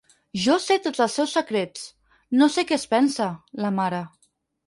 Jo sé tots els seus secrets, no sé què es pensa, la mare.